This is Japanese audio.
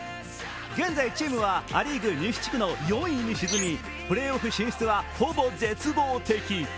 現在、チームはア・リーグ西地区の４位に沈みプレーオフ進出はほぼ絶望的。